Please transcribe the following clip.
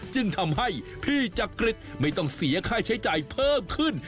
จึงทำให้พี่จักริตไม่ต้องเสียค่าใช้จ่ายเพิ่มขึ้น